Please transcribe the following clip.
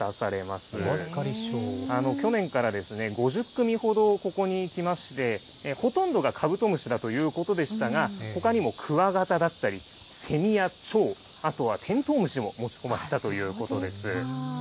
去年から５０組ほどここに来まして、ほとんどがカブトムシだということでしたが、ほかにもクワガタだったり、セミやチョウ、あとはテントウムシも持ち込まれたということです。